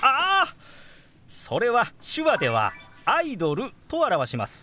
それは手話では「アイドル」と表します。